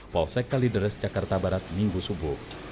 polsek kalideres jakarta barat minggu subuh